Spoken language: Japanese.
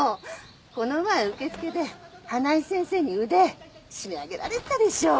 この前受付で花井先生に腕締め上げられてたでしょう？